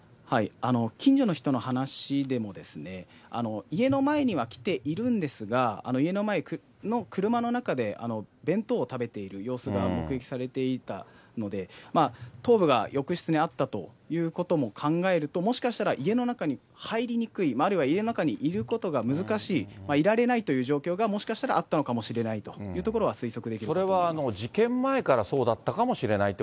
近所の人の話でも、家の前には来ているんですが、家の前の車の中で弁当を食べている様子が目撃されていたので、頭部が浴室にあったということも考えると、もしかしたら家の中に入りにくい、あるいは家の中にいることが難しい、いられないという状況が、もしかしたらあったのかもしれないというところが推測できると思それは事件前からそうだった